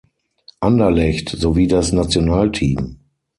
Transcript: Anderlecht sowie das Nationalteam.